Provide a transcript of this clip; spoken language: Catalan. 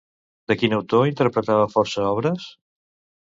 De quin autor interpretava força obres?